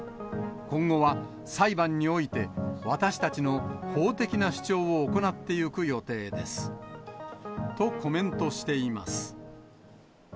今後は裁判において、私たちの法的な主張を行っていく予定です。とコメントしています。